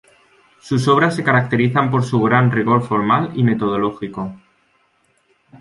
Sus obras se caracterizan por su gran rigor formal y metodológico.